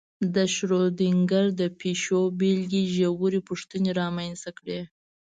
د شرودینګر د پیشو بېلګې ژورې پوښتنې رامنځته کړې.